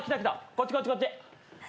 こっちこっちこっち。